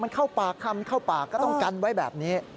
มันเข้าปากคำเข้าปากก็ต้องกันไว้แบบนี้